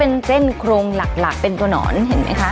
เป็นเส้นโครงหลักเป็นตัวหนอนเห็นไหมคะ